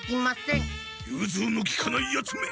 ゆうずうのきかないヤツめ！